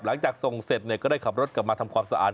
หลังจากส่งเสร็จก็ได้ขับรถกลับมาทำความสะอาด